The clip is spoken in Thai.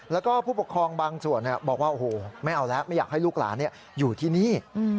แล้วก็ผู้ปกครองบางส่วนบอกว่าโอ้โหไม่เอาแล้วไม่อยากให้ลูกหลานอยู่ที่นี่